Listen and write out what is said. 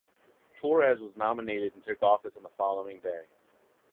Torres was nominated and took office on the following day.